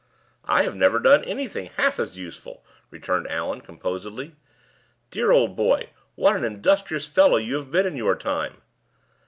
"I have never done anything half as useful," returned Allan, composedly. "Dear old boy, what an industrious fellow you have been in your time!"